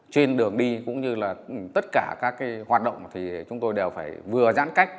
trên đường đi cũng như là tất cả các hoạt động thì chúng tôi đều phải vừa giãn cách